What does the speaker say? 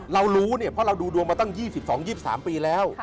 เรารู้เนี่ยเพราะเราดูดวงมาตั้ง๒๒๒๓ปีแล้ว